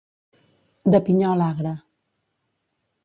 De pinyol agre.